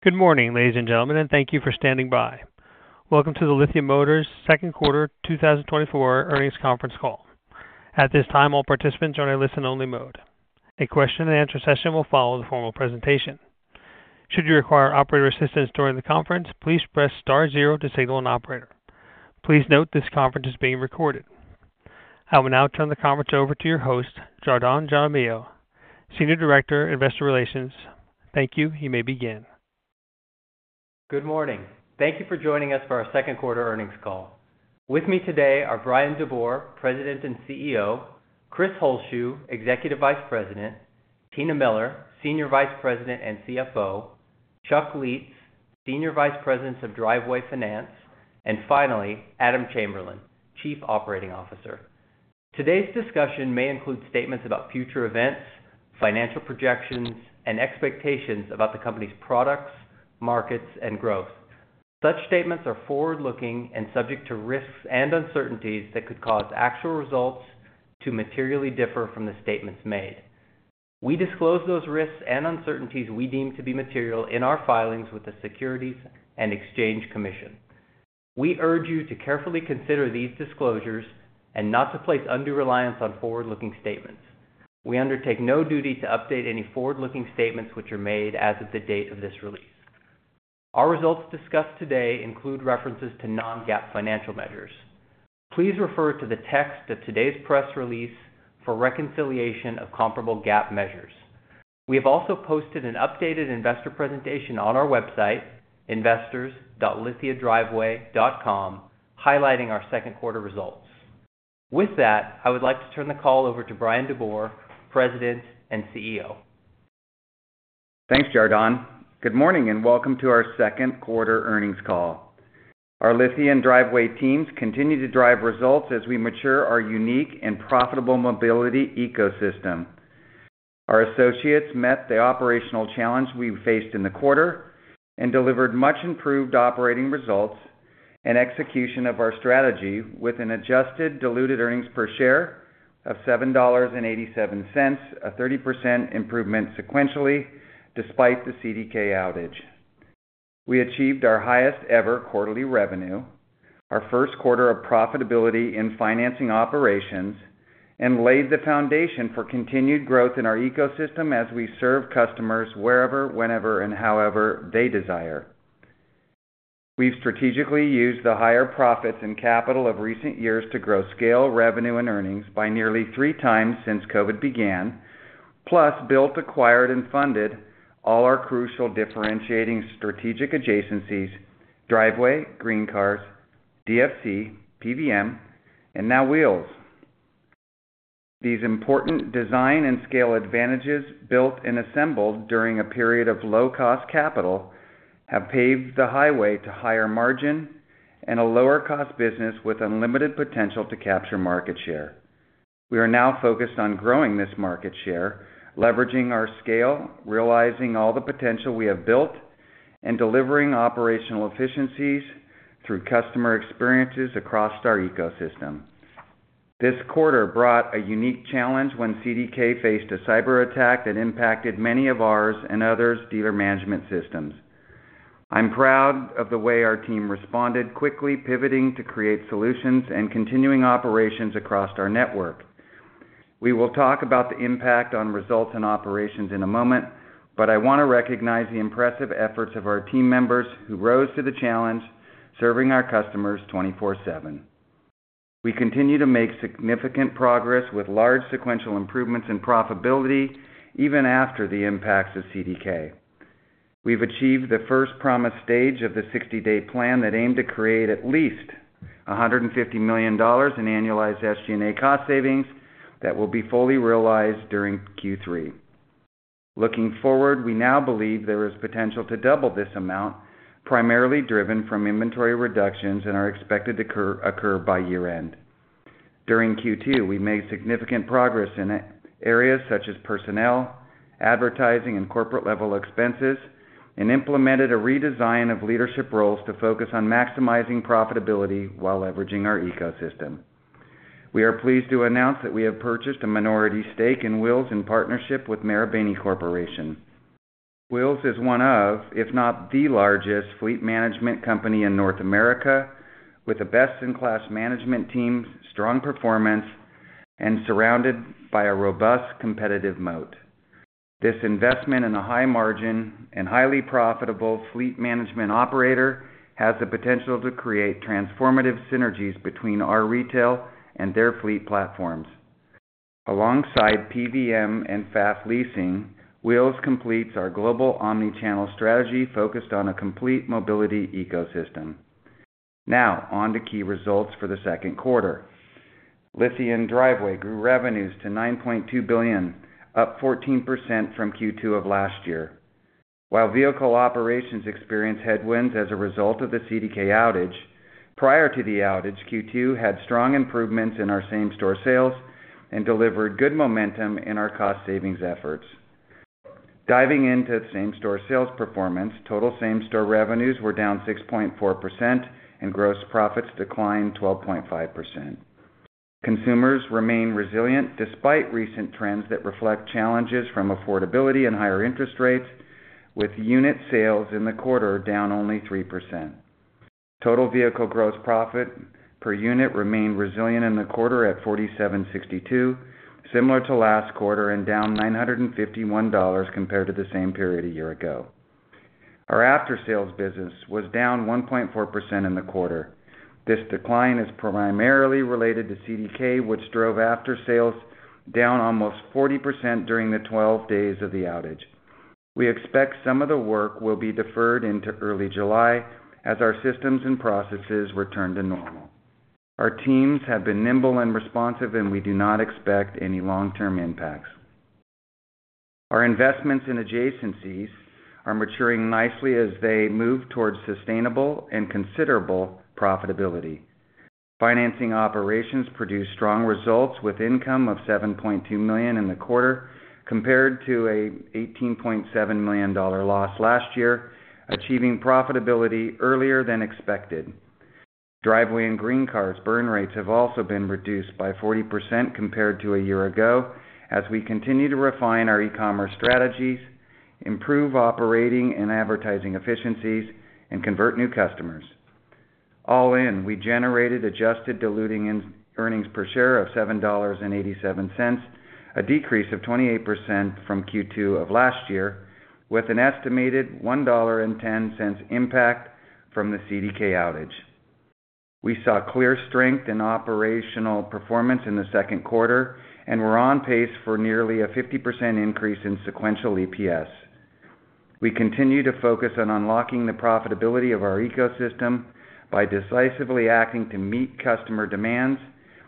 Good morning, ladies and gentlemen, and thank you for standing by. Welcome to the Lithia Motors Second Quarter 2024 Earnings Conference Call. At this time, all participants are in a listen-only mode. A question-and-answer session will follow the formal presentation. Should you require operator assistance during the conference, please press star zero to signal an operator. Please note, this conference is being recorded. I will now turn the conference over to your host, Jadron Jaramillo, Senior Director, Investor Relations. Thank you. You may begin. Good morning. Thank you for joining us for our second quarter earnings call. With me today are Bryan DeBoer, President and CEO, Chris Holzshu, Executive Vice President, Tina Miller, Senior Vice President and CFO, Chuck Lietz, Senior Vice President of Driveway Finance, and finally, Adam Chamberlain, Chief Operating Officer. Today's discussion may include statements about future events, financial projections, and expectations about the company's products, markets, and growth. Such statements are forward-looking and subject to risks and uncertainties that could cause actual results to materially differ from the statements made. We disclose those risks and uncertainties we deem to be material in our filings with the Securities and Exchange Commission. We urge you to carefully consider these disclosures and not to place undue reliance on forward-looking statements. We undertake no duty to update any forward-looking statements, which are made as of the date of this release. Our results discussed today include references to non-GAAP financial measures. Please refer to the text of today's press release for reconciliation of comparable GAAP measures. We have also posted an updated investor presentation on our website, investors.lithiadriveway.com, highlighting our second quarter results. With that, I would like to turn the call over to Bryan DeBoer, President and CEO. Thanks, Jadron. Good morning, and welcome to our second quarter earnings call. Our Lithia & Driveway teams continue to drive results as we mature our unique and profitable mobility ecosystem. Our associates met the operational challenge we faced in the quarter and delivered much-improved operating results and execution of our strategy with an adjusted diluted earnings per share of $7.87, a 30% improvement sequentially, despite the CDK outage. We achieved our highest-ever quarterly revenue, our first quarter of profitability in financing operations, and laid the foundation for continued growth in our ecosystem as we serve customers wherever, whenever, and however they desire. We've strategically used the higher profits and capital of recent years to grow scale, revenue, and earnings by nearly 3x since COVID began, plus built, acquired, and funded all our crucial differentiating strategic adjacencies, Driveway, GreenCars, DFC, PVM, and now Wheels. These important design and scale advantages, built and assembled during a period of low-cost capital, have paved the highway to higher margin and a lower-cost business with unlimited potential to capture market share. We are now focused on growing this market share, leveraging our scale, realizing all the potential we have built, and delivering operational efficiencies through customer experiences across our ecosystem. This quarter brought a unique challenge when CDK faced a cyberattack that impacted many of ours and others' dealer management systems. I'm proud of the way our team responded, quickly pivoting to create solutions and continuing operations across our network. We will talk about the impact on results and operations in a moment, but I want to recognize the impressive efforts of our team members, who rose to the challenge, serving our customers 24/7. We continue to make significant progress with large sequential improvements in profitability even after the impacts of CDK. We've achieved the first promised stage of the sixty-day plan that aimed to create at least $150 million in annualized SG&A cost savings that will be fully realized during Q3. Looking forward, we now believe there is potential to double this amount, primarily driven from inventory reductions and are expected to occur by year-end. During Q2, we made significant progress in areas such as personnel, advertising, and corporate-level expenses, and implemented a redesign of leadership roles to focus on maximizing profitability while leveraging our ecosystem. We are pleased to announce that we have purchased a minority stake in Wheels in partnership with Marubeni Corporation. Wheels is one of, if not the largest, fleet management company in North America, with a best-in-class management team, strong performance, and surrounded by a robust competitive moat. This investment in a high margin and highly profitable fleet management operator has the potential to create transformative synergies between our retail and their fleet platforms. Alongside PVM and Pfaff Leasing, Wheels completes our global omni-channel strategy focused on a complete mobility ecosystem. Now, on to key results for the second quarter. Lithia and Driveway grew revenues to $9.2 billion, up 14% from Q2 of last year. While vehicle operations experienced headwinds as a result of the CDK outage, prior to the outage, Q2 had strong improvements in our same-store sales and delivered good momentum in our cost savings efforts. Diving into same-store sales performance, total same-store revenues were down 6.4%, and gross profits declined 12.5%. Consumers remain resilient despite recent trends that reflect challenges from affordability and higher interest rates, with unit sales in the quarter down only 3%. Total vehicle gross profit per unit remained resilient in the quarter at $4,762, similar to last quarter and down $951 compared to the same period a year ago. Our after-sales business was down 1.4% in the quarter. This decline is primarily related to CDK, which drove after-sales down almost 40% during the 12 days of the outage. We expect some of the work will be deferred into early July as our systems and processes return to normal. Our teams have been nimble and responsive, and we do not expect any long-term impacts. Our investments in adjacencies are maturing nicely as they move towards sustainable and considerable profitability. Financing operations produced strong results, with income of $7.2 million in the quarter, compared to an $18.7 million loss last year, achieving profitability earlier than expected. Driveway and GreenCars burn rates have also been reduced by 40% compared to a year ago, as we continue to refine our e-commerce strategies, improve operating and advertising efficiencies, and convert new customers. All in, we generated adjusted diluted earnings per share of $7.87, a decrease of 28% from Q2 of last year, with an estimated $1.10 impact from the CDK outage. We saw clear strength in operational performance in the second quarter, and we're on pace for nearly a 50% increase in sequential EPS. We continue to focus on unlocking the profitability of our ecosystem by decisively acting to meet customer demands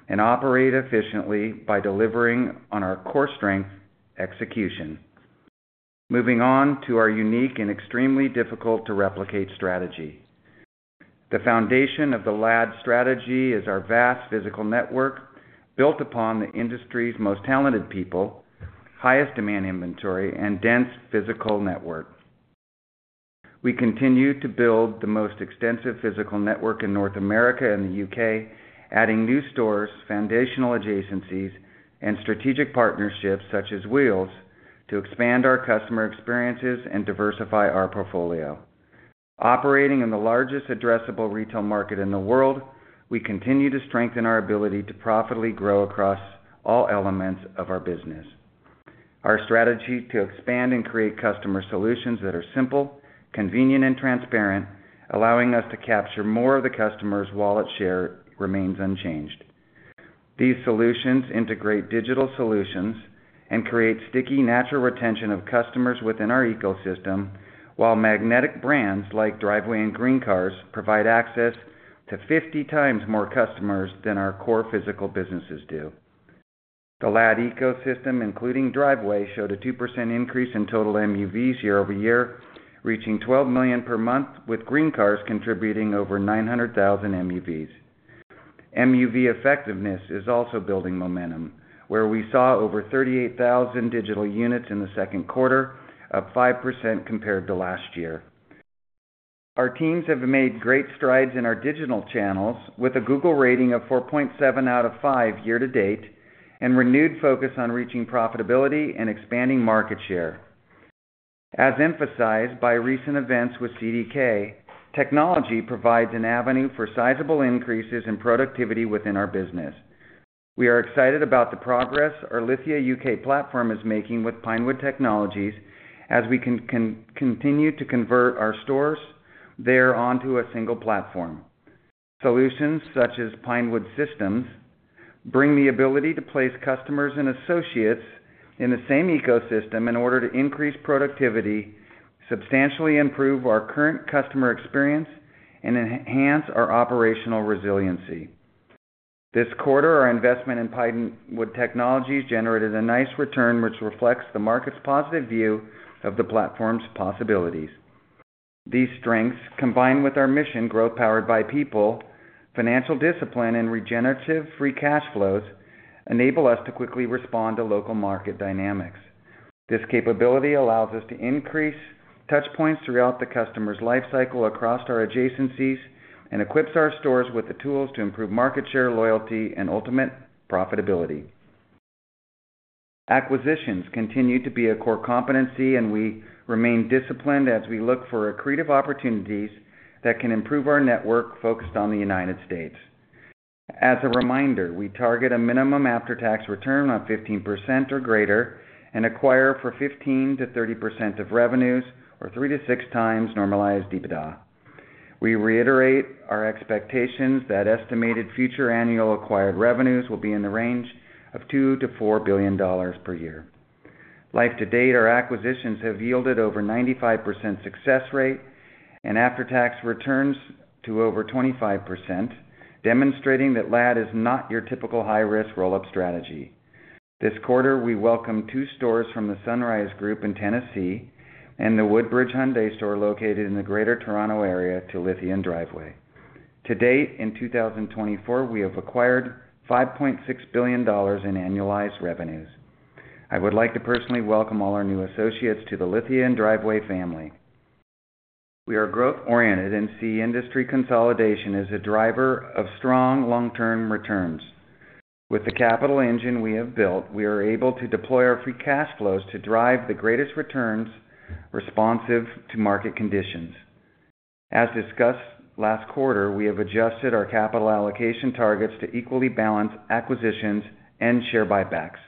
and operate efficiently by delivering on our core strength, execution. Moving on to our unique and extremely difficult-to-replicate strategy. The foundation of the LAD strategy is our vast physical network, built upon the industry's most talented people, highest demand inventory, and dense physical network. We continue to build the most extensive physical network in North America and the U.K., adding new stores, foundational adjacencies, and strategic partnerships such as Wheels, to expand our customer experiences and diversify our portfolio. Operating in the largest addressable retail market in the world, we continue to strengthen our ability to profitably grow across all elements of our business. Our strategy to expand and create customer solutions that are simple, convenient, and transparent, allowing us to capture more of the customer's wallet share, remains unchanged. These solutions integrate digital solutions and create sticky, natural retention of customers within our ecosystem, while magnetic brands like Driveway and GreenCars provide access to 50x more customers than our core physical businesses do. The LAD ecosystem, including Driveway, showed a 2% increase in total MUVs YoY, reaching 12 million per month, with GreenCars contributing over 900,000 MUVs. MUV effectiveness is also building momentum, where we saw over 38,000 digital units in the second quarter, up 5% compared to last year. Our teams have made great strides in our digital channels, with a Google rating of 4.7 out of 5 year to date, and renewed focus on reaching profitability and expanding market share. As emphasized by recent events with CDK, technology provides an avenue for sizable increases in productivity within our business. We are excited about the progress our Lithia UK platform is making with Pinewood Technologies as we continue to convert our stores there onto a single platform. Solutions such as Pinewood systems bring the ability to place customers and associates in the same ecosystem in order to increase productivity, substantially improve our current customer experience, and enhance our operational resiliency. This quarter, our investment in Pinewood Technologies generated a nice return, which reflects the market's positive view of the platform's possibilities. These strengths, combined with our mission, growth powered by people, financial discipline, and regenerative free cash flows, enable us to quickly respond to local market dynamics. This capability allows us to increase touch points throughout the customer's life cycle across our adjacencies and equips our stores with the tools to improve market share, loyalty, and ultimate profitability. Acquisitions continue to be a core competency, and we remain disciplined as we look for accretive opportunities that can improve our network focused on the United States. As a reminder, we target a minimum after-tax return on 15% or greater and acquire for 15%-30% of revenues or 3-6 times normalized EBITDA. We reiterate our expectations that estimated future annual acquired revenues will be in the range of $2 billion-$4 billion per year. To date, our acquisitions have yielded over 95% success rate and after-tax returns to over 25%, demonstrating that LAD is not your typical high-risk roll-up strategy. This quarter, we welcome 2 stores from the Sunrise Group in Tennessee and the Woodbridge Hyundai store located in the Greater Toronto Area to Lithia & Driveway. To date, in 2024, we have acquired $5.6 billion in annualized revenues. I would like to personally welcome all our new associates to the Lithia & Driveway family.... We are growth-oriented and see industry consolidation as a driver of strong long-term returns. With the capital engine we have built, we are able to deploy our free cash flows to drive the greatest returns responsive to market conditions. As discussed last quarter, we have adjusted our capital allocation targets to equally balance acquisitions and share buybacks.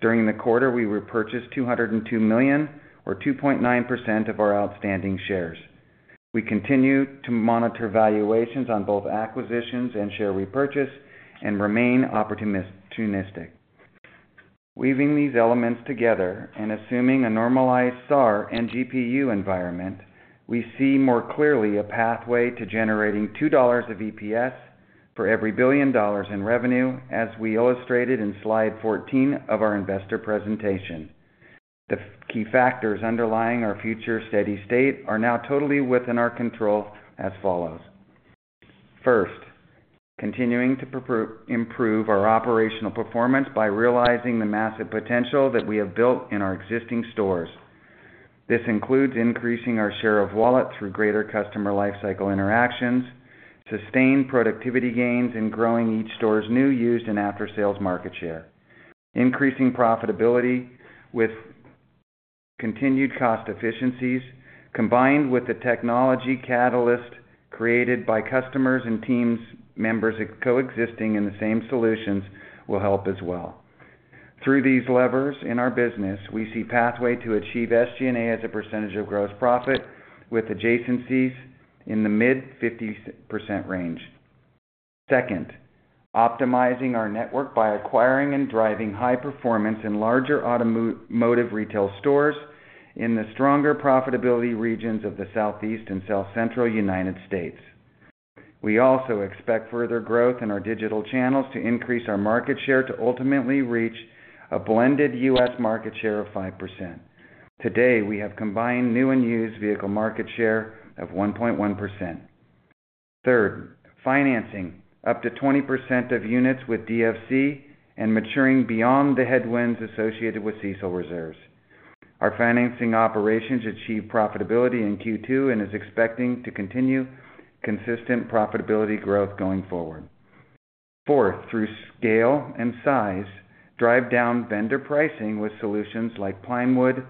During the quarter, we repurchased $202 million, or 2.9% of our outstanding shares. We continue to monitor valuations on both acquisitions and share repurchase, and remain opportunistic. Weaving these elements together and assuming a normalized SAAR and GPU environment, we see more clearly a pathway to generating $2 of EPS for every $1 billion in revenue, as we illustrated in slide 14 of our investor presentation. The key factors underlying our future steady state are now totally within our control as follows: First, continuing to improve our operational performance by realizing the massive potential that we have built in our existing stores. This includes increasing our share of wallet through greater customer lifecycle interactions, sustained productivity gains, and growing each store's new, used, and after-sales market share. Increasing profitability with continued cost efficiencies, combined with the technology catalyst created by customers and team members coexisting in the same solutions, will help as well. Through these levers in our business, we see pathway to achieve SG&A as a percentage of gross profit with adjacencies in the mid-50% range. Second, optimizing our network by acquiring and driving high performance in larger automotive retail stores in the stronger profitability regions of the Southeast and South Central United States. We also expect further growth in our digital channels to increase our market share to ultimately reach a blended US market share of 5%. Today, we have combined new and used vehicle market share of 1.1%. Third, financing up to 20% of units with DFC and maturing beyond the headwinds associated with CECL reserves. Our financing operations achieved profitability in Q2 and is expecting to continue consistent profitability growth going forward. Fourth, through scale and size, drive down vendor pricing with solutions like Pinewood,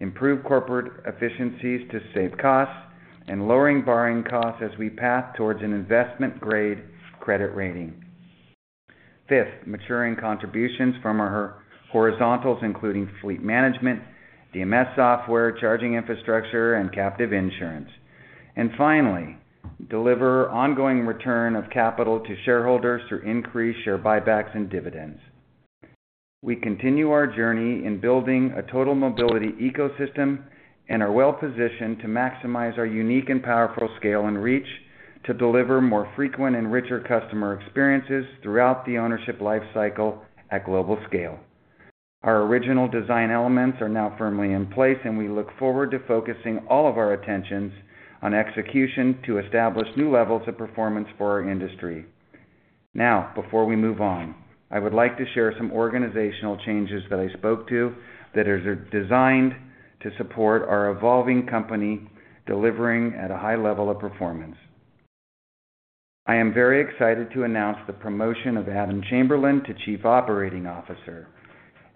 improve corporate efficiencies to save costs, and lowering borrowing costs as we path towards an investment-grade credit rating. Fifth, maturing contributions from our horizontals, including fleet management, DMS software, charging infrastructure, and captive insurance. And finally, deliver ongoing return of capital to shareholders through increased share buybacks and dividends. We continue our journey in building a total mobility ecosystem and are well-positioned to maximize our unique and powerful scale and reach to deliver more frequent and richer customer experiences throughout the ownership lifecycle at global scale. Our original design elements are now firmly in place, and we look forward to focusing all of our attentions on execution to establish new levels of performance for our industry. Now, before we move on, I would like to share some organizational changes that I spoke to that are designed to support our evolving company, delivering at a high level of performance. I am very excited to announce the promotion of Adam Chamberlain to Chief Operating Officer.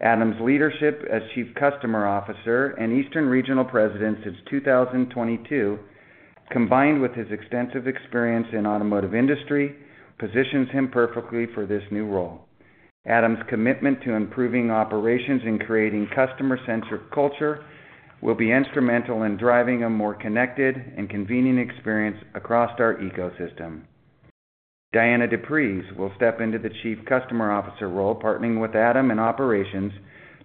Adam's leadership as Chief Customer Officer and Eastern Regional President since 2022, combined with his extensive experience in automotive industry, positions him perfectly for this new role. Adam's commitment to improving operations and creating customer-centric culture will be instrumental in driving a more connected and convenient experience across our ecosystem. Dianna du Preez will step into the Chief Customer Officer role, partnering with Adam in operations,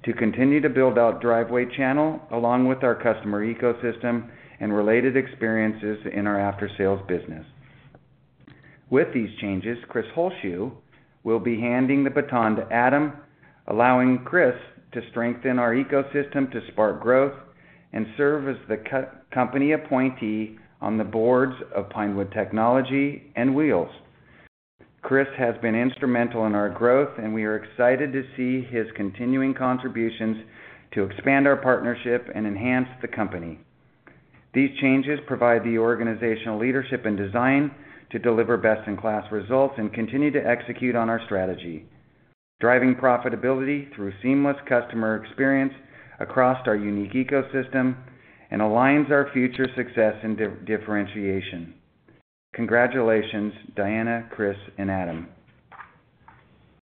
to continue to build out Driveway channel, along with our customer ecosystem and related experiences in our after-sales business. With these changes, Chris Holzshu will be handing the baton to Adam, allowing Chris to strengthen our ecosystem to spark growth and serve as the company appointee on the boards of Pinewood Technologies and Wheels. Chris has been instrumental in our growth, and we are excited to see his continuing contributions to expand our partnership and enhance the company. These changes provide the organizational leadership and design to deliver best-in-class results and continue to execute on our strategy, driving profitability through seamless customer experience across our unique ecosystem, and aligns our future success and differentiation. Congratulations, Dianna, Chris, and Adam.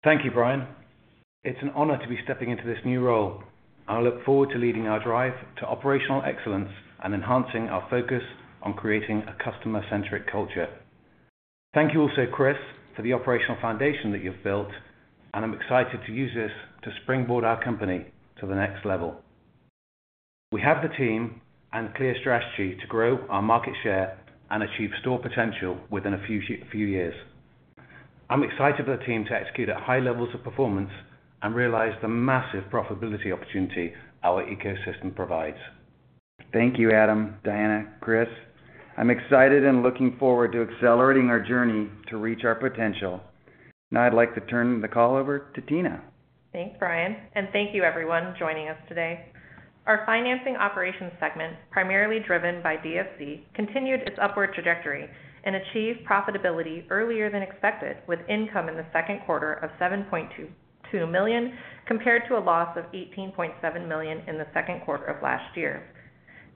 Thank you, Bryan. It's an honor to be stepping into this new role. I look forward to leading our drive to operational excellence and enhancing our focus on creating a customer-centric culture. Thank you also, Chris, for the operational foundation that you've built, and I'm excited to use this to springboard our company to the next level. We have the team and clear strategy to grow our market share and achieve store potential within a few years. I'm excited for the team to execute at high levels of performance and realize the massive profitability opportunity our ecosystem provides. Thank you, Adam, Dianna, Chris. I'm excited and looking forward to accelerating our journey to reach our potential.... Now I'd like to turn the call over to Tina. Thanks, Bryan, and thank you everyone joining us today. Our financing operations segment, primarily driven by DFC, continued its upward trajectory and achieved profitability earlier than expected, with income in the second quarter of $7.22 million, compared to a loss of $18.7 million in the second quarter of last year.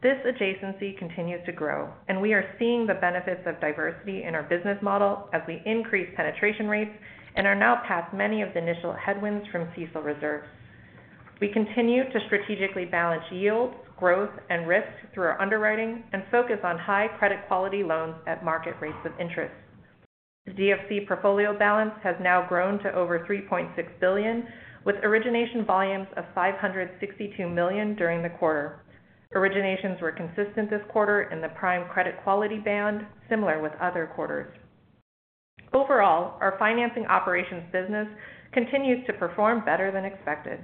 This adjacency continues to grow, and we are seeing the benefits of diversity in our business model as we increase penetration rates and are now past many of the initial headwinds from CECL reserves. We continue to strategically balance yields, growth, and risk through our underwriting and focus on high credit quality loans at market rates of interest. The DFC portfolio balance has now grown to over $3.6 billion, with origination volumes of $562 million during the quarter. Originations were consistent this quarter in the prime credit quality band, similar with other quarters. Overall, our financing operations business continues to perform better than expected.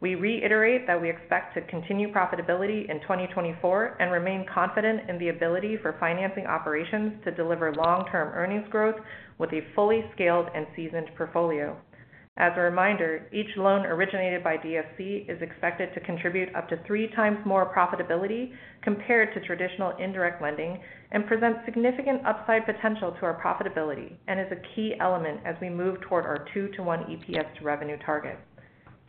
We reiterate that we expect to continue profitability in 2024 and remain confident in the ability for financing operations to deliver long-term earnings growth with a fully scaled and seasoned portfolio. As a reminder, each loan originated by DFC is expected to contribute up to 3x more profitability compared to traditional indirect lending and presents significant upside potential to our profitability and is a key element as we move toward our 2-1 EPS revenue target.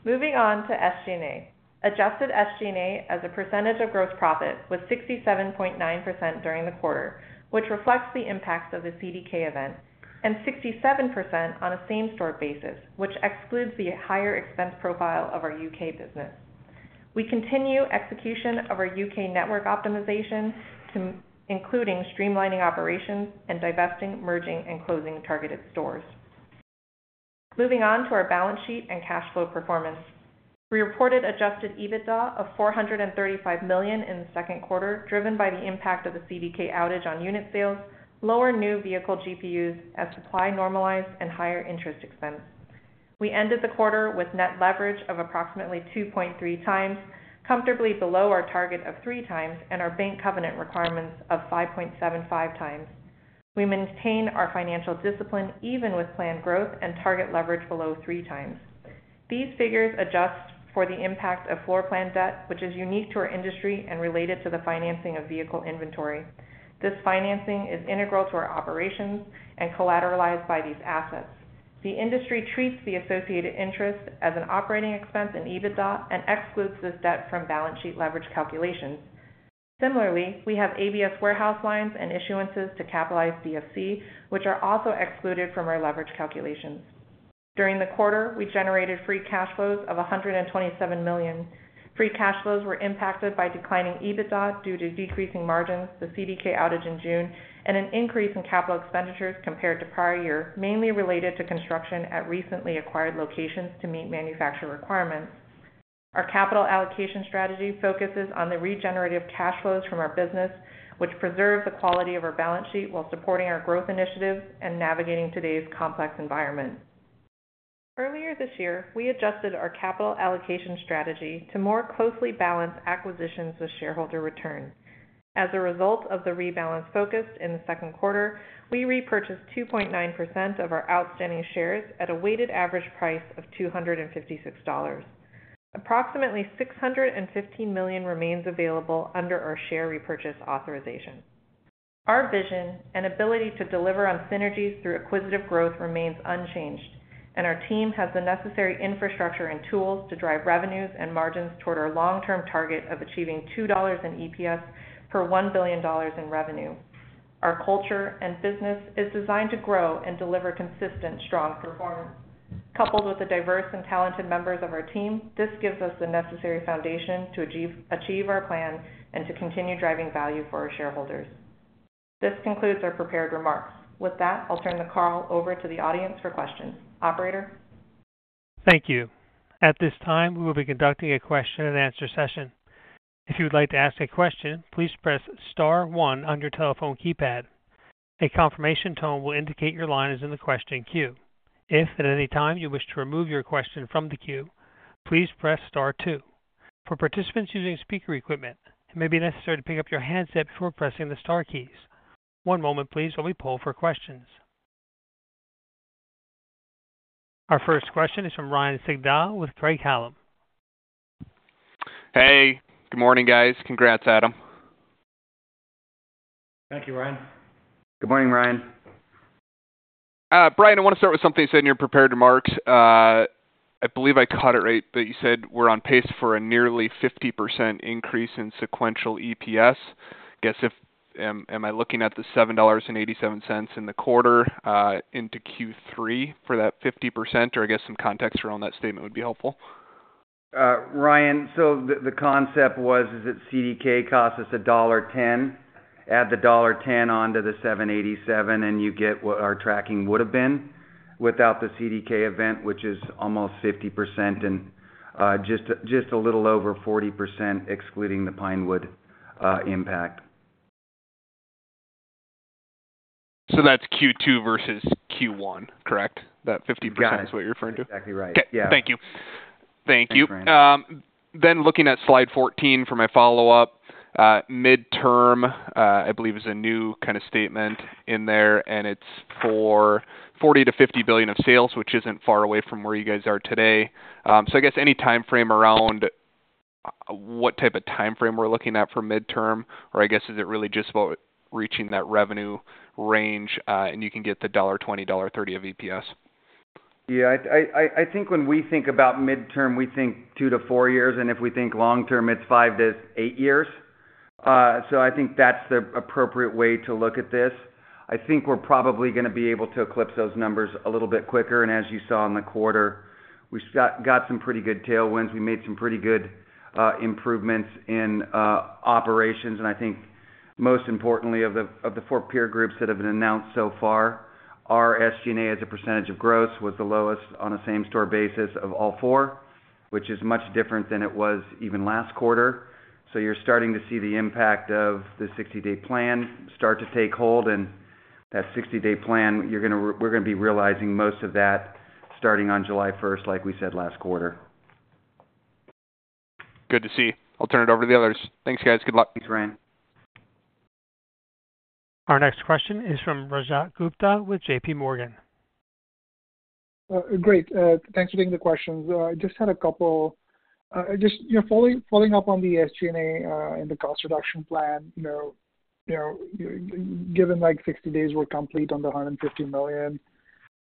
Moving on to SG&A. Adjusted SG&A as a percentage of gross profit was 67.9% during the quarter, which reflects the impact of the CDK event, and 67% on a same-store basis, which excludes the higher expense profile of our UK business. We continue execution of our U.K. network optimization, including streamlining operations and divesting, merging, and closing targeted stores. Moving on to our balance sheet and cash flow performance. We reported Adjusted EBITDA of $435 million in the second quarter, driven by the impact of the CDK outage on unit sales, lower new vehicle GPUs as supply normalized and higher interest expense. We ended the quarter with net leverage of approximately 2.3x, comfortably below our target of 3x and our bank covenant requirements of 5.75x. We maintain our financial discipline even with planned growth and target leverage below 3x. These figures adjust for the impact of floor plan debt, which is unique to our industry and related to the financing of vehicle inventory. This financing is integral to our operations and collateralized by these assets. The industry treats the associated interest as an operating expense in EBITDA and excludes this debt from balance sheet leverage calculations. Similarly, we have ABS warehouse lines and issuances to capitalize DFC, which are also excluded from our leverage calculations. During the quarter, we generated free cash flows of $127 million. Free cash flows were impacted by declining EBITDA due to decreasing margins, the CDK outage in June, and an increase in capital expenditures compared to prior year, mainly related to construction at recently acquired locations to meet manufacturer requirements. Our capital allocation strategy focuses on the regenerative cash flows from our business, which preserves the quality of our balance sheet while supporting our growth initiatives and navigating today's complex environment. Earlier this year, we adjusted our capital allocation strategy to more closely balance acquisitions with shareholder returns. As a result of the rebalance focus in the second quarter, we repurchased 2.9% of our outstanding shares at a weighted average price of $256. Approximately $615 million remains available under our share repurchase authorization. Our vision and ability to deliver on synergies through acquisitive growth remains unchanged, and our team has the necessary infrastructure and tools to drive revenues and margins toward our long-term target of achieving $2 in EPS per $1 billion in revenue. Our culture and business is designed to grow and deliver consistent, strong performance. Coupled with the diverse and talented members of our team, this gives us the necessary foundation to achieve our plan and to continue driving value for our shareholders. This concludes our prepared remarks. With that, I'll turn the call over to the audience for questions. Operator? Thank you. At this time, we will be conducting a question-and-answer session. If you would like to ask a question, please press star one on your telephone keypad. A confirmation tone will indicate your line is in the question queue. If at any time you wish to remove your question from the queue, please press star two. For participants using speaker equipment, it may be necessary to pick up your handset before pressing the star keys. One moment, please, while we poll for questions. Our first question is from Ryan Sigdahl with Craig-Hallum. Hey, good morning, guys. Congrats, Adam. Thank you, Ryan. Good morning, Ryan. Bryan, I want to start with something you said in your prepared remarks. I believe I caught it right, that you said we're on pace for a nearly 50% increase in sequential EPS. I guess, am I looking at the $7.87 in the quarter into Q3 for that 50%? Or I guess some context around that statement would be helpful. Ryan, so the concept was, is that CDK cost us $1.10. Add the $1.10 onto the $7.87, and you get what our tracking would have been without the CDK event, which is almost 50% and, just a little over 40%, excluding the Pinewood impact. So that's Q2 versus Q1, correct? That 50%- Got it. Is what you're referring to? Exactly right. Okay. Yeah. Thank you. Thank you. Then looking at slide 14 for my follow-up, midterm, I believe is a new kind of statement in there, and it's for $40 billion-$50 billion of sales, which isn't far away from where you guys are today. So I guess any timeframe around what type of timeframe we're looking at for midterm? Or I guess, is it really just about reaching that revenue range, and you can get the $20-$30 of EPS? Yeah, I think when we think about midterm, we think 2-4 years, and if we think long term, it's 5-8 years. So I think that's the appropriate way to look at this. I think we're probably gonna be able to eclipse those numbers a little bit quicker, and as you saw in the quarter, we've got some pretty good tailwinds. We made some pretty good improvements in operations. And I think most importantly of the four peer groups that have been announced so far, our SG&A, as a percentage of gross, was the lowest on a same-store basis of all 4, which is much different than it was even last quarter. So you're starting to see the impact of the 60-day plan start to take hold, and that 60-day plan, you're gonna we're gonna be realizing most of that starting on July first, like we said last quarter. Good to see. I'll turn it over to the others. Thanks, guys. Good luck. Thanks, Ryan. Our next question is from Rajat Gupta with J.P. Morgan. Great. Thanks for taking the questions. I just had a couple. Just, you know, following up on the SG&A, and the cost reduction plan, you know, given, like, 60 days were complete on the $150 million,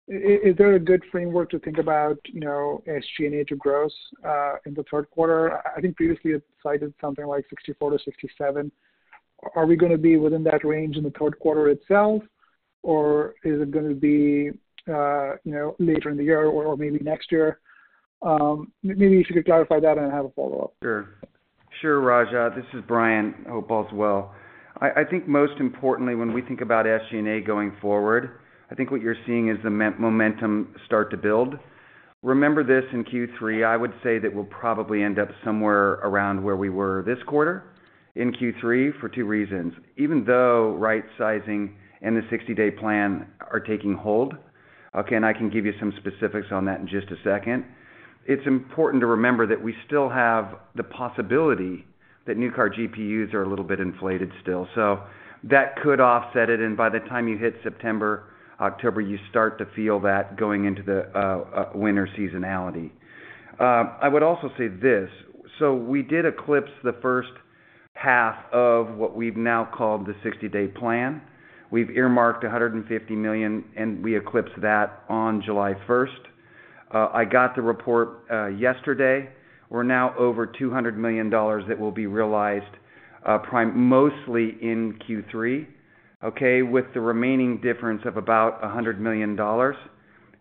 is there a good framework to think about, you know, SG&A to gross, in the third quarter? I think previously you had cited something like 64%-67%. Are we gonna be within that range in the third quarter itself, or is it gonna be, you know, later in the year or maybe next year? Maybe you could clarify that and I have a follow-up. Sure. Sure, Rajat, this is Bryan. Hope all's well. I think most importantly, when we think about SG&A going forward, I think what you're seeing is the momentum start to build. Remember this, in Q3, I would say that we'll probably end up somewhere around where we were this quarter in Q3 for two reasons. Even though right sizing and the 60-day plan are taking hold, okay, and I can give you some specifics on that in just a second, it's important to remember that we still have the possibility that new car GPUs are a little bit inflated still, so that could offset it, and by the time you hit September, October, you start to feel that going into the winter seasonality. I would also say this: So we did eclipse the first half of what we've now called the 60-day plan. We've earmarked $150 million, and we eclipsed that on July first. I got the report yesterday. We're now over $200 million that will be realized, primarily mostly in Q3, okay? With the remaining difference of about $100 million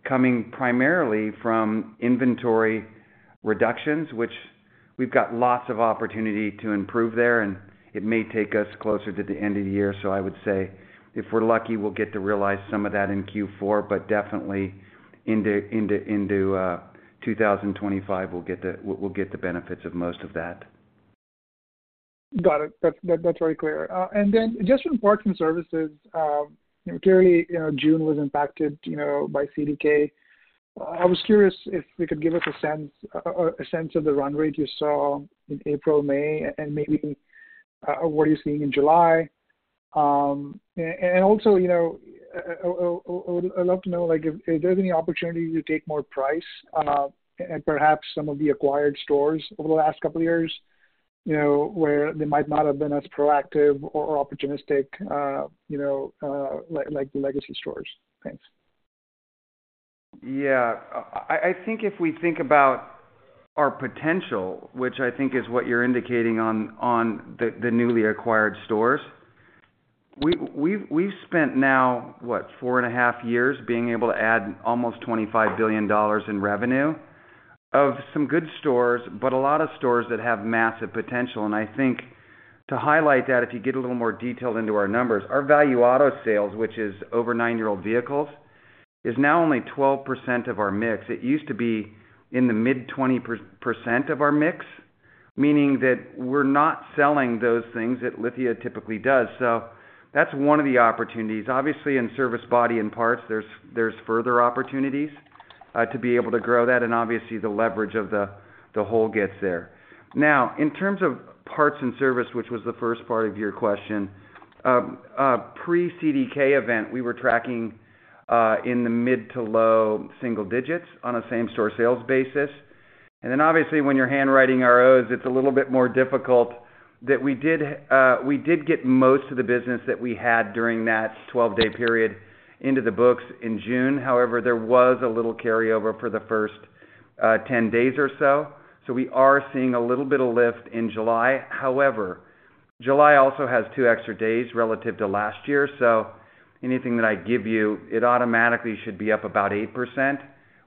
coming primarily from inventory reductions, which we've got lots of opportunity to improve there, and it may take us closer to the end of the year. So I would say, if we're lucky, we'll get to realize some of that in Q4, but definitely into 2025, we'll get the benefits of most of that. Got it. That's very clear. And then just from parts and services, clearly, you know, June was impacted, you know, by CDK. I was curious if you could give us a sense of the run rate you saw in April, May, and maybe, what are you seeing in July. And also, you know, I would love to know, like, if there's any opportunity to take more price, and perhaps some of the acquired stores over the last couple of years, you know, where they might not have been as proactive or opportunistic, you know, like the legacy stores. Thanks. Yeah. I think if we think about our potential, which I think is what you're indicating on the newly acquired stores, we've spent now, what, 4.5 years being able to add almost $25 billion in revenue of some good stores, but a lot of stores that have massive potential. I think to highlight that, if you get a little more detailed into our numbers, our Value Auto sales, which is over 9-year-old vehicles, is now only 12% of our mix. It used to be in the mid-twenties percent of our mix, meaning that we're not selling those things that Lithia typically does. So that's one of the opportunities. Obviously, in service, body and parts, there's further opportunities to be able to grow that, and obviously, the leverage of the whole gets there. Now, in terms of parts and service, which was the first part of your question, pre-CDK event, we were tracking in the mid to low single digits on a same-store sales basis. And then obviously, when you're handwriting ROs, it's a little bit more difficult that we did, we did get most of the business that we had during that 12-day period into the books in June. However, there was a little carryover for the first 10 days or so. So we are seeing a little bit of lift in July. However, July also has 2 extra days relative to last year, so anything that I give you, it automatically should be up about 8%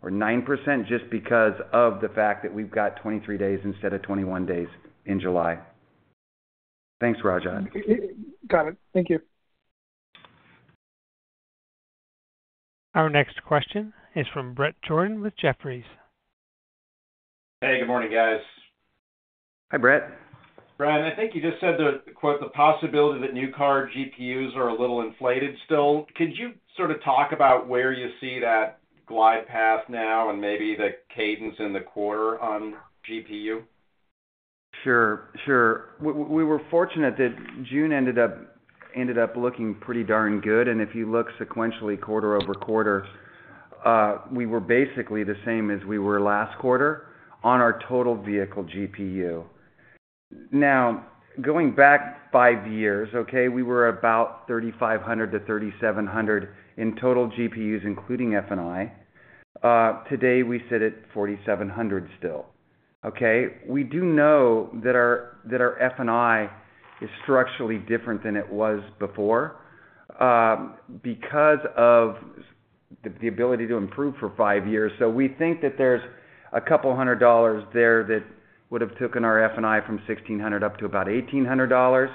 or 9% just because of the fact that we've got 23 days instead of 21 days in July. Thanks, Rajat. Got it. Thank you. Our next question is from Bret Jordan with Jefferies. Hey, good morning, guys.... Hi, Bret. Bryan, I think you just said the quote, "The possibility that new car GPUs are a little inflated still." Could you sort of talk about where you see that glide path now and maybe the cadence in the quarter on GPU? Sure, sure. We were fortunate that June ended up looking pretty darn good, and if you look sequentially quarter-over-quarter, we were basically the same as we were last quarter on our total vehicle GPU. Now, going back five years, okay, we were about $3,500-$3,700 in total GPUs, including F&I. Today, we sit at $4,700 still, okay? We do know that our F&I is structurally different than it was before, because of the ability to improve for five years. So we think that there's a couple hundred dollars there that would've taken our F&I from $1,600 up to about $1,800.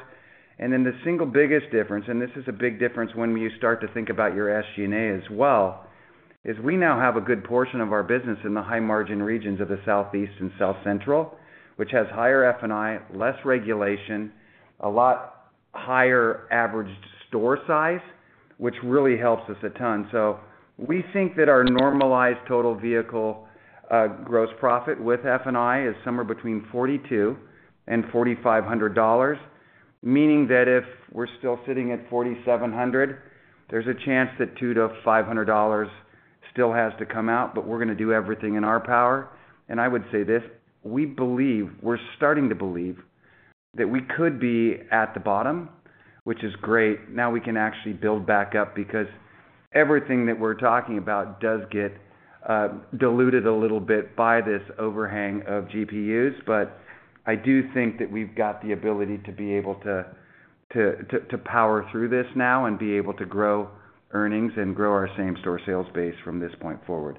Then the single biggest difference, and this is a big difference when you start to think about your SG&A as well, is we now have a good portion of our business in the high-margin regions of the Southeast and South Central, which has higher F&I, less regulation, a lot higher average store size, which really helps us a ton. So we think that our normalized total vehicle gross profit with F&I is somewhere between $4,200 and $4,500, meaning that if we're still sitting at $4,700, there's a chance that $200-$500 still has to come out, but we're gonna do everything in our power. And I would say this: we believe, we're starting to believe that we could be at the bottom, which is great. Now, we can actually build back up because everything that we're talking about does get diluted a little bit by this overhang of GPUs. But I do think that we've got the ability to be able to power through this now and be able to grow earnings and grow our same-store sales base from this point forward.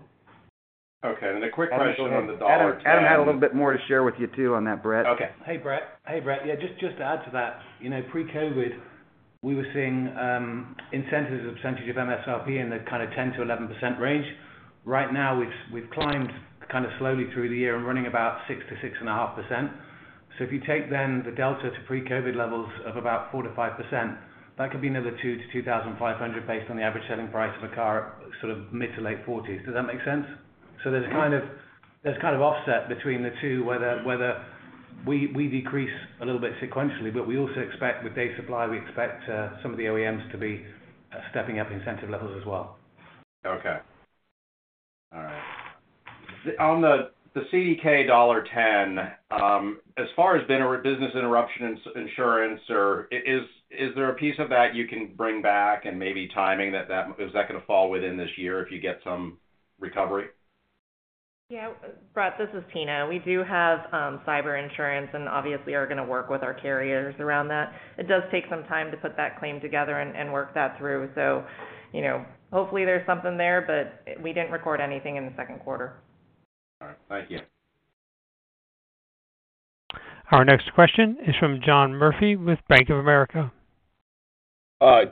Okay, and a quick question on the $10- Adam, Adam had a little bit more to share with you, too, on that, Brett. Okay. Hey, Bret. Hey, Bret. Yeah, just, just to add to that, you know, pre-COVID, we were seeing incentives of percentage of MSRP in the kind of 10%-11% range. Right now, we've, we've climbed kind of slowly through the year and running about 6%-6.5%. So if you take then the delta to pre-COVID levels of about 4%-5%, that could be another $2,000-$2,500, based on the average selling price of a car, sort of mid- to late 40s. Does that make sense? So there's kind of... There's kind of offset between the two, whether, whether we, we decrease a little bit sequentially, but we also expect with base supply, we expect some of the OEMs to be stepping up incentive levels as well. Okay. All right. On the CDK downtime, as far as business interruption insurance, or is there a piece of that you can bring back and maybe timing that... Is that gonna fall within this year if you get some recovery? Yeah. Brett, this is Tina. We do have cyber insurance, and obviously are gonna work with our carriers around that. It does take some time to put that claim together and work that through. So, you know, hopefully, there's something there, but we didn't record anything in the second quarter. All right. Thank you. Our next question is from John Murphy with Bank of America.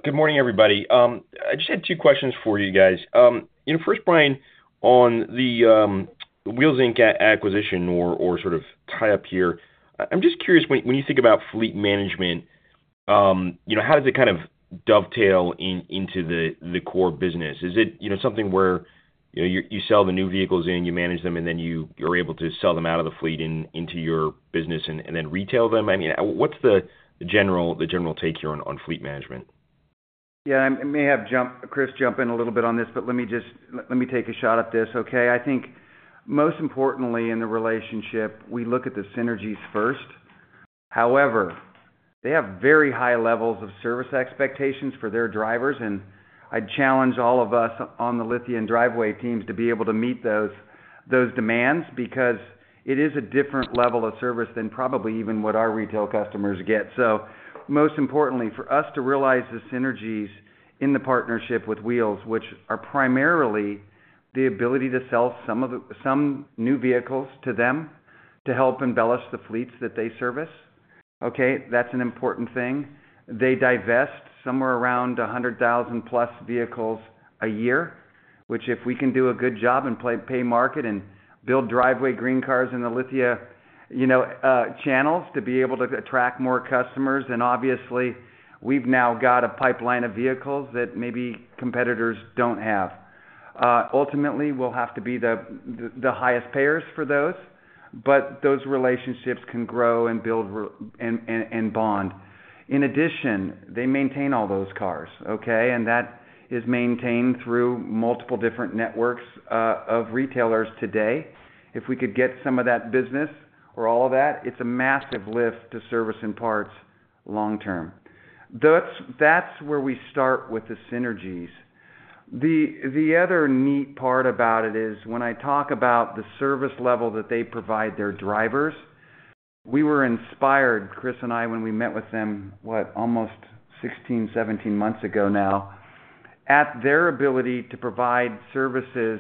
Good morning, everybody. I just had two questions for you guys. You know, first, Bryan, on the Wheels Inc. acquisition or sort of tie-up here. I'm just curious, when you think about fleet management, you know, how does it kind of dovetail into the core business? Is it, you know, something where, you know, you sell the new vehicles and you manage them, and then you're able to sell them out of the fleet into your business and then retail them? I mean, what's the general take here on fleet management? Yeah, I may have—Chris, jump in a little bit on this, but let me take a shot at this, okay? I think most importantly in the relationship, we look at the synergies first. However, they have very high levels of service expectations for their drivers, and I challenge all of us on the Lithia and Driveway teams to be able to meet those demands because it is a different level of service than probably even what our retail customers get. So most importantly, for us to realize the synergies in the partnership with Wheels, which are primarily the ability to sell some new vehicles to them to help embellish the fleets that they service, okay? That's an important thing. They divest somewhere around 100,000+ vehicles a year, which, if we can do a good job and play pay market and build Driveway GreenCars in the Lithia, you know, channels, to be able to attract more customers, then obviously, we've now got a pipeline of vehicles that maybe competitors don't have. Ultimately, we'll have to be the highest payers for those, but those relationships can grow and build relationships and bond. In addition, they maintain all those cars, okay? And that is maintained through multiple different networks of retailers today. If we could get some of that business or all of that, it's a massive lift to service and parts long term. That's where we start with the synergies. The other neat part about it is, when I talk about the service level that they provide their drivers, we were inspired, Chris and I, when we met with them, what? Almost 16, 17 months ago now, at their ability to provide services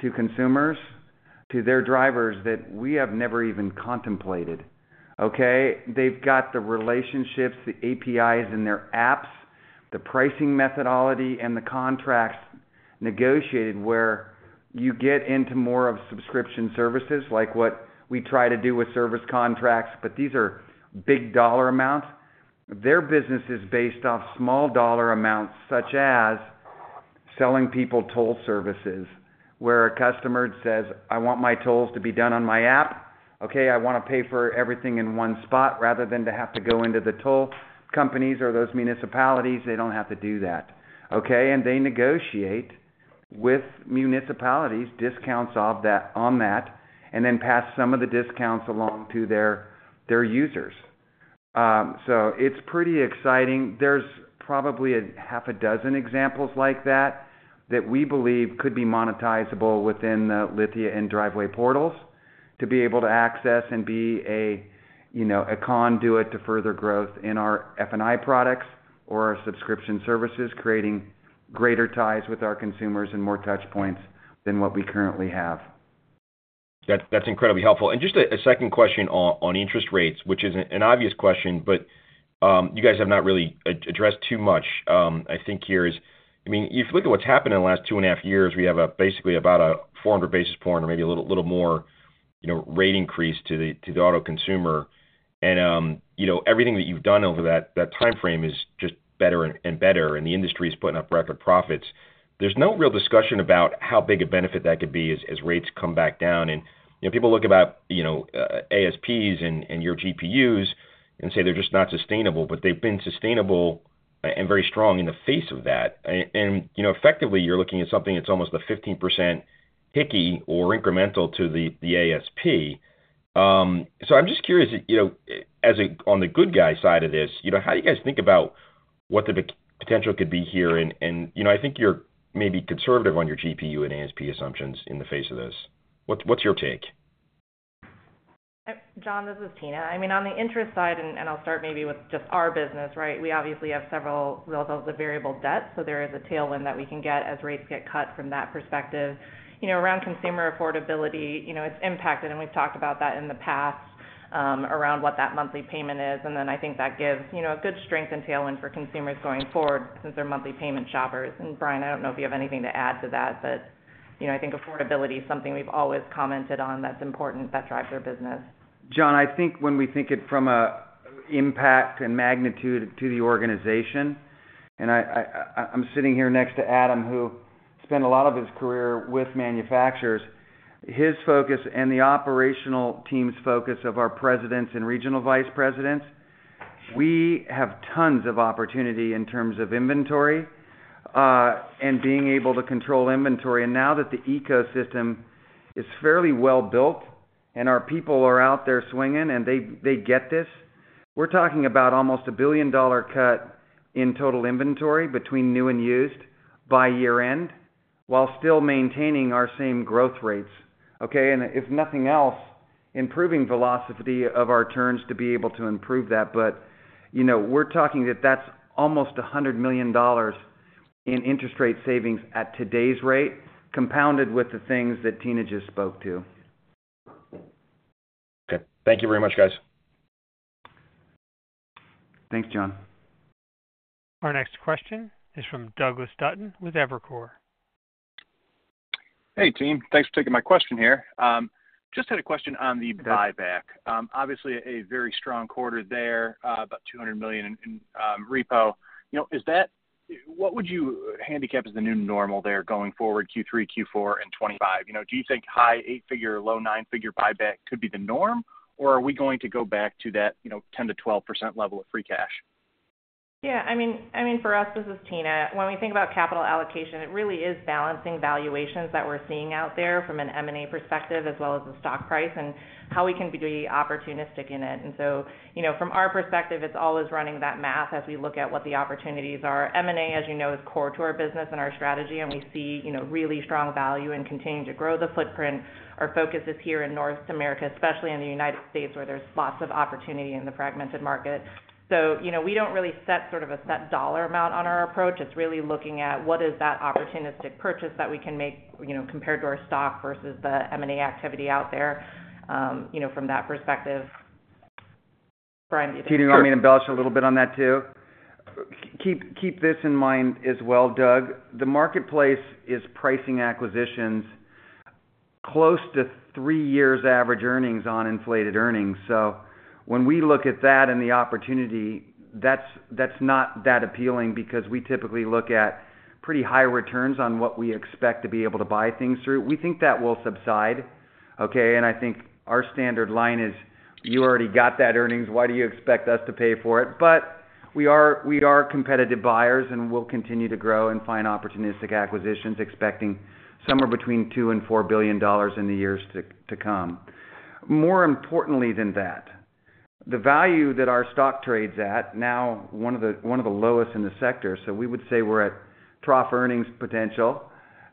to consumers, to their drivers, that we have never even contemplated, okay? They've got the relationships, the APIs in their apps, the pricing methodology and the contracts negotiated, where you get into more of subscription services, like what we try to do with service contracts, but these are big dollar amounts. Their business is based off small dollar amounts, such as selling people toll services, where a customer says, "I want my tolls to be done on my app. Okay, I want to pay for everything in one spot," rather than to have to go into the toll companies or those municipalities, they don't have to do that, okay? And they negotiate with municipalities, discounts off that, on that, and then pass some of the discounts along to their users. So it's pretty exciting. There's probably a half a dozen examples like that, that we believe could be monetizable within the Lithia & Driveway portals, to be able to access and be a, you know, a conduit to further growth in our F&I products or our subscription services, creating greater ties with our consumers and more touch points than what we currently have. That's incredibly helpful. And just a second question on interest rates, which is an obvious question, but you guys have not really addressed too much. I think, I mean, if you look at what's happened in the last 2.5 years, we have basically about a 400 basis point or maybe a little more, you know, rate increase to the auto consumer. And you know, everything that you've done over that timeframe is just better and better, and the industry is putting up record profits. There's no real discussion about how big a benefit that could be as rates come back down. You know, people look about, you know, ASPs and your GPUs, and say they're just not sustainable, but they've been sustainable and very strong in the face of that. You know, effectively, you're looking at something that's almost a 15% hickey or incremental to the ASP. So I'm just curious, you know, as on the good guy side of this, you know, how do you guys think about what the potential could be here? You know, I think you're maybe conservative on your GPU and ASP assumptions in the face of this. What's your take? John, this is Tina. I mean, on the interest side, and I'll start maybe with just our business, right? We obviously have several results of the variable debt, so there is a tailwind that we can get as rates get cut from that perspective. You know, around consumer affordability, you know, it's impacted, and we've talked about that in the past, around what that monthly payment is. And then I think that gives, you know, a good strength and tailwind for consumers going forward since they're monthly payment shoppers. And Bryan, I don't know if you have anything to add to that, but, you know, I think affordability is something we've always commented on, that's important, that drives our business. John, I think when we think it from an impact and magnitude to the organization, and I’m sitting here next to Adam, who spent a lot of his career with manufacturers. His focus and the operational team’s focus of our presidents and regional vice presidents, we have tons of opportunity in terms of inventory and being able to control inventory. And now that the ecosystem is fairly well built and our people are out there swinging, and they get this, we’re talking about almost a billion-dollar cut in total inventory between new and used by year-end, while still maintaining our same growth rates, okay? And if nothing else, improving velocity of our turns to be able to improve that. But, you know, we're talking that that's almost $100 million in interest rate savings at today's rate, compounded with the things that Tina just spoke to. Okay. Thank you very much, guys. Thanks, John. Our next question is from Douglas Dutton with Evercore. Hey, team. Thanks for taking my question here. Just had a question on the buyback. Obviously, a very strong quarter there, about $200 million in repo. You know, is that—what would you handicap as the new normal there going forward, Q3, Q4, and 2025? You know, do you think high eight-figure, low nine-figure buyback could be the norm, or are we going to go back to that, you know, 10%-12% level of free cash? Yeah, I mean, I mean, for us, this is Tina. When we think about capital allocation, it really is balancing valuations that we're seeing out there from an M&A perspective, as well as the stock price and how we can be opportunistic in it. And so, you know, from our perspective, it's always running that math as we look at what the opportunities are. M&A, as you know, is core to our business and our strategy, and we see, you know, really strong value and continuing to grow the footprint. Our focus is here in North America, especially in the United States, where there's lots of opportunity in the fragmented market. So you know, we don't really set sort of a set dollar amount on our approach. It's really looking at what is that opportunistic purchase that we can make, you know, compared to our stock versus the M&A activity out there, you know, from that perspective. Bryan, do you- Tina, you want me to embellish a little bit on that too? Keep this in mind as well, Doug. The marketplace is pricing acquisitions close to three years average earnings on inflated earnings. So when we look at that and the opportunity, that's, that's not that appealing because we typically look at pretty high returns on what we expect to be able to buy things through. We think that will subside, okay? And I think our standard line is: you already got that earnings, why do you expect us to pay for it? But we are, we are competitive buyers, and we'll continue to grow and find opportunistic acquisitions, expecting somewhere between $2 billion and $4 billion in the years to come. More importantly than that, the value that our stock trades at, now one of the, one of the lowest in the sector, so we would say we're at trough earnings potential,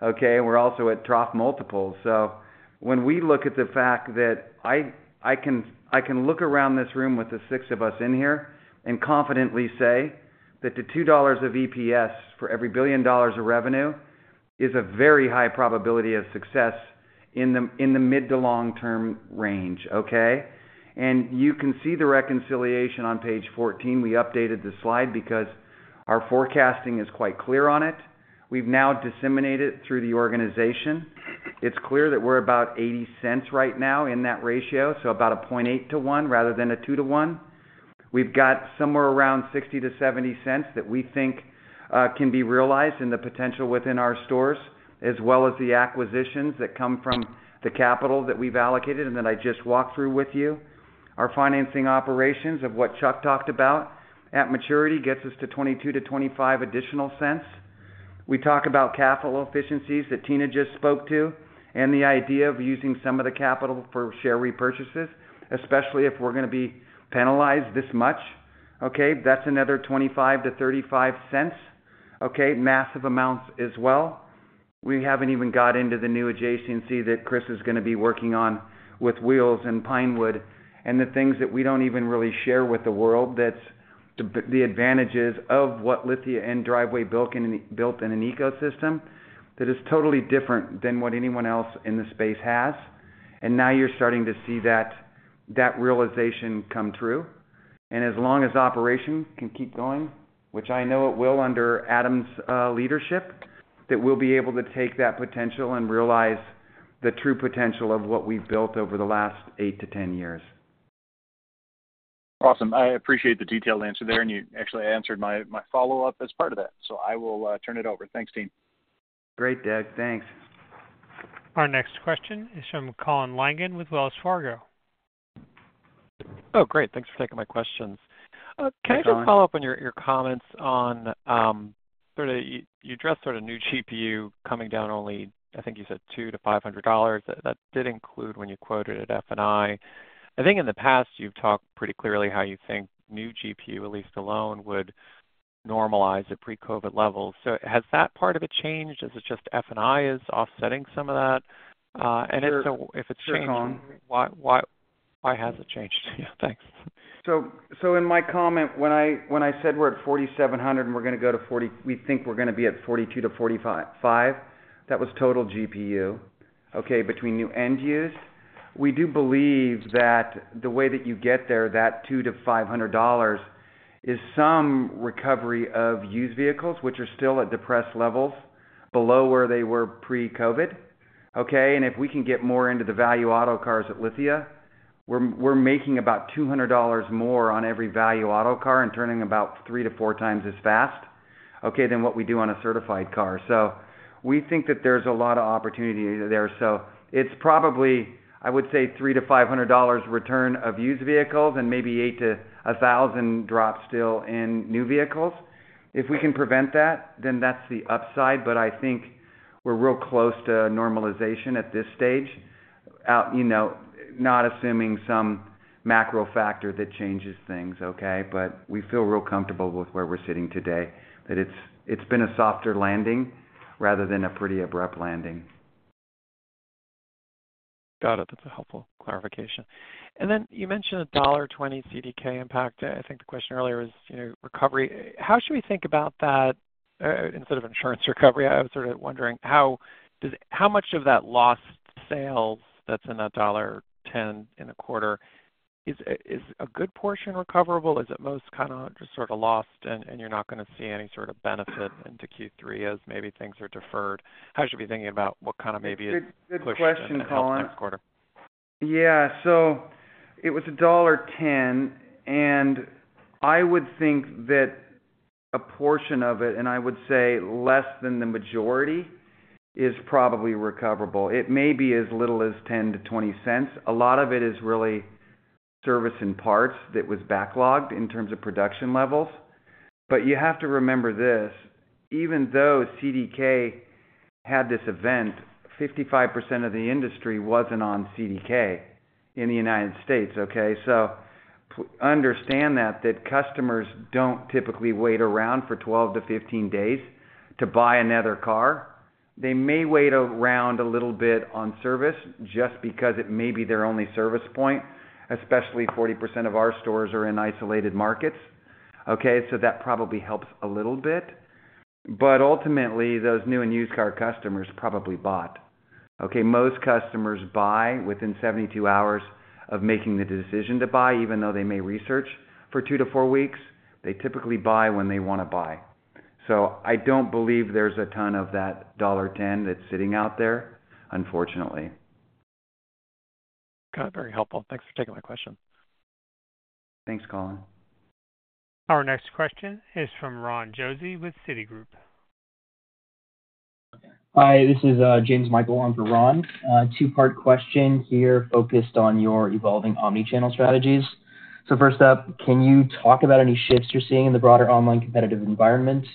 okay? We're also at trough multiples. So when we look at the fact that I, I can, I can look around this room with the six of us in here and confidently say that the $2 of EPS for every $1 billion of revenue is a very high probability of success in the, in the mid- to long-term range, okay? And you can see the reconciliation on page 14. We updated the slide because our forecasting is quite clear on it. We've now disseminated through the organization. It's clear that we're about $0.80 right now in that ratio, so about 0.8-1 rather than a 2-1. We've got somewhere around $0.60-$0.70 that we think can be realized in the potential within our stores, as well as the acquisitions that come from the capital that we've allocated and that I just walked through with you. Our financing operations of what Chuck talked about at maturity gets us to $0.22-$0.25 additional. We talk about capital efficiencies that Tina just spoke to, and the idea of using some of the capital for share repurchases, especially if we're going to be penalized this much, okay? That's another $0.25-$0.35, okay? Massive amounts as well. We haven't even got into the new adjacency that Chris is going to be working on with Wheels and Pinewood, and the things that we don't even really share with the world, that's the advantages of what Lithia & Driveway built in an ecosystem that is totally different than what anyone else in the space has. And now you're starting to see that realization come true. And as long as operations can keep going, which I know it will under Adam's leadership, that we'll be able to take that potential and realize the true potential of what we've built over the last 8-10 years. Awesome. I appreciate the detailed answer there, and you actually answered my follow-up as part of that. So I will turn it over. Thanks, team. Great, Doug. Thanks. Our next question is from Colin Langan with Wells Fargo. Oh, great. Thanks for taking my questions. Hi, Colin. Can I just follow up on your comments on sort of new GPU coming down only? I think you said $200-$500. That did include when you quoted at F&I. I think in the past, you've talked pretty clearly how you think new GPU, at least alone, would normalize at pre-COVID levels. So has that part of it changed? Is it just F&I is offsetting some of that? And if so- Sure, Colin. If it's changed, why, why, why has it changed? Thanks. In my comment, when I said we're at 4,700, and we're going to go to 40. We think we're going to be at 42-45, that was total GPU, okay, between new and used. We do believe that the way that you get there, that $200-$500, is some recovery of used vehicles, which are still at depressed levels, below where they were pre-COVID, okay? And if we can get more into the Value Auto cars at Lithia, we're making about $200 more on every Value Auto car and turning about 3-4 times as fast, okay, than what we do on a certified car. So we think that there's a lot of opportunity there. So it's probably, I would say, $300-$500 return of used vehicles and maybe $800-$1,000 drop still in new vehicles. If we can prevent that, then that's the upside, but I think we're real close to normalization at this stage. You know, not assuming some macro factor that changes things, okay? But we feel real comfortable with where we're sitting today, that it's, it's been a softer landing rather than a pretty abrupt landing. Got it. That's a helpful clarification. And then you mentioned a $120 CDK impact. I think the question earlier is, you know, recovery. How should we think about that instead of insurance recovery? I was sort of wondering, how much of that lost sales that's in that $110 in a quarter is a good portion recoverable? Is it most kinda just sort of lost and you're not going to see any sort of benefit into Q3 as maybe things are deferred? How should we be thinking about what kind of maybe a push in the next quarter? Good question, Colin. Yeah, so it was $1.10, and I would think that a portion of it, and I would say less than the majority, is probably recoverable. It may be as little as 10-20 cents. A lot of it is really service and parts that was backlogged in terms of production levels. But you have to remember this, even though CDK had this event, 55% of the industry wasn't on CDK in the United States, okay? So understand that, that customers don't typically wait around for 12-15 days to buy another car. They may wait around a little bit on service just because it may be their only service point, especially 40% of our stores are in isolated markets, okay? So that probably helps a little bit. But ultimately, those new and used car customers probably bought. Okay, most customers buy within 72 hours of making the decision to buy, even though they may research for 2-4 weeks. They typically buy when they want to buy. So I don't believe there's a ton of that $10 that's sitting out there, unfortunately. Got it. Very helpful. Thanks for taking my question. Thanks, Colin. Our next question is from Ron Josey with Citigroup. Hi, this is James Michael on for Ron. Two-part question here, focused on your evolving omni-channel strategies. So first up, can you talk about any shifts you're seeing in the broader online competitive environment,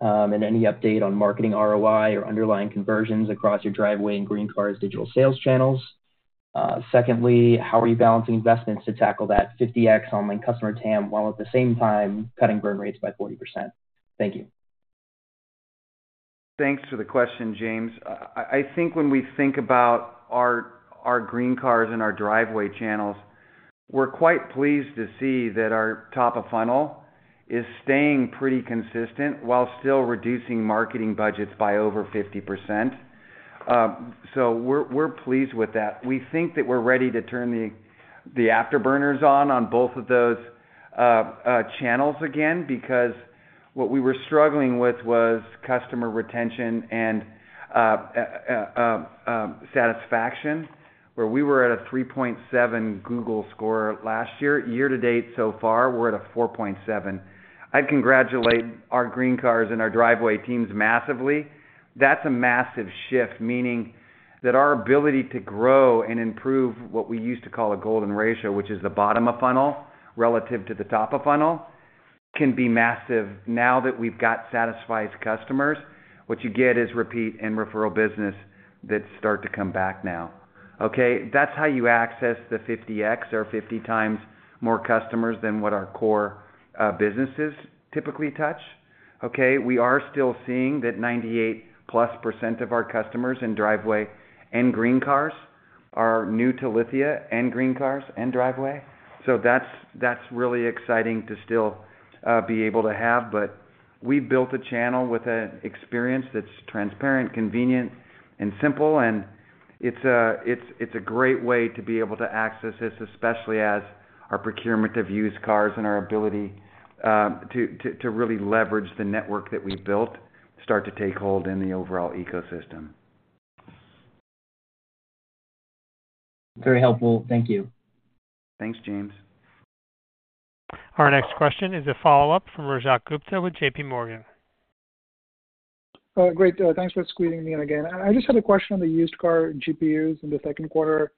and any update on marketing ROI or underlying conversions across your Driveway and GreenCars digital sales channels? Secondly, how are you balancing investments to tackle that 50x online customer TAM, while at the same time, cutting burn rates by 40%? Thank you. Thanks for the question, James. I think when we think about our GreenCars and our Driveway channels. We're quite pleased to see that our top of funnel is staying pretty consistent while still reducing marketing budgets by over 50%. So we're pleased with that. We think that we're ready to turn the afterburners on both of those channels again, because what we were struggling with was customer retention and satisfaction, where we were at a 3.7 Google score last year. Year to date so far, we're at a 4.7. I congratulate our GreenCars and our Driveway teams massively. That's a massive shift, meaning that our ability to grow and improve what we used to call a golden ratio, which is the bottom of funnel relative to the top of funnel, can be massive. Now that we've got satisfied customers, what you get is repeat and referral business that start to come back now. Okay? That's how you access the 50x or 50x more customers than what our core businesses typically touch. Okay, we are still seeing that 98%+ of our customers in Driveway and GreenCars are new to Lithia and GreenCars and Driveway. So that's, that's really exciting to still be able to have. But we built a channel with an experience that's transparent, convenient, and simple, and it's a great way to be able to access this, especially as our procurement of used cars and our ability to really leverage the network that we built start to take hold in the overall ecosystem. Very helpful. Thank you. Thanks, James. Our next question is a follow-up from Rajat Gupta with J.P. Morgan. Great. Thanks for squeezing me in again. I just had a question on the used car GPUs in the second quarter.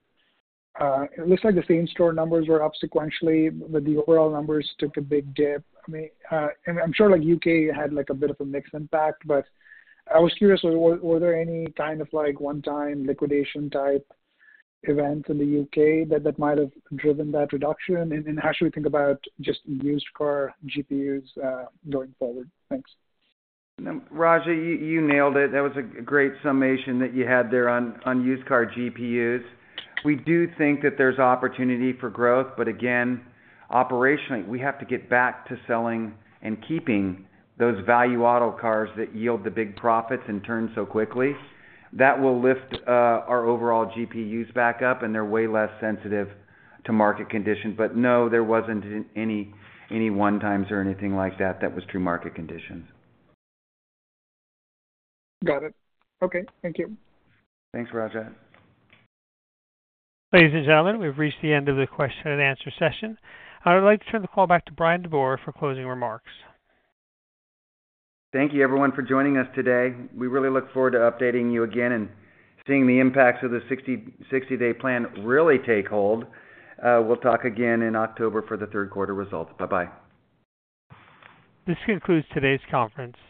It looks like the same-store numbers were up sequentially, but the overall numbers took a big dip. I mean, and I'm sure, like, UK had, like, a bit of a mixed impact, but I was curious, were there any kind of, like, one-time liquidation-type events in the UK that might have driven that reduction? And how should we think about just used car GPUs going forward? Thanks. Rajat, you nailed it. That was a great summation that you had there on used car GPUs. We do think that there's opportunity for growth, but again, operationally, we have to get back to selling and keeping those Value Auto cars that yield the big profits and turn so quickly. That will lift our overall GPUs back up, and they're way less sensitive to market conditions. But no, there wasn't any one-times or anything like that. That was true market conditions. Got it. Okay, thank you. Thanks, Rajat. Ladies and gentlemen, we've reached the end of the question and answer session. I'd like to turn the call back to Bryan DeBoer for closing remarks. Thank you, everyone, for joining us today. We really look forward to updating you again and seeing the impacts of the 60-day plan really take hold. We'll talk again in October for the third quarter results. Bye-bye. This concludes today's conference.